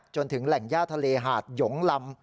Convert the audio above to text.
จนถึงแหล่งย่าทะเลหาดหยงลำ